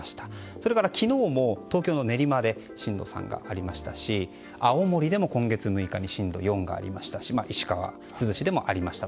それから昨日も東京の練馬で震度３がありましたし青森でも今月６日に震度４がありましたし石川・珠洲市でもありました。